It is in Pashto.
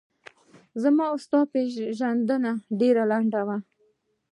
زما و ستا پیژندنه ډېره لڼده وه